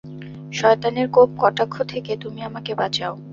শয়তানের কোপ কটাক্ষ থেকে তুমি আমাকে বাঁচাও!